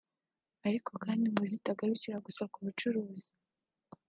ariko kandi ngo zitagarukira gusa ku bucuruzi